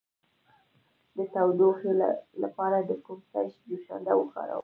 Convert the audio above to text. د ټوخي لپاره د کوم شي جوشانده وکاروم؟